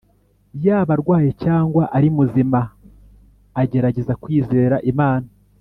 yaba arwaye cyangwa ari muzima agergeza kwizera imana